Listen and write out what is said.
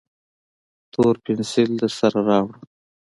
تور پینسیل درسره راوړه